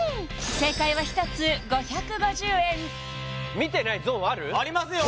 正解は１つ５５０円ありますよ